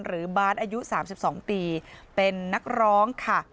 หรือม้านอายุ๓๒ปีเป็นนักร้องค่ะ